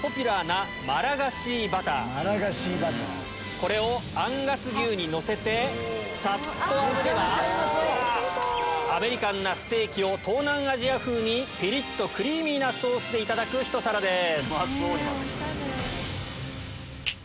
これをアンガス牛にのせてさっとあぶればアメリカンなステーキを東南アジア風にピリっとクリーミーなソースでいただくひと皿です。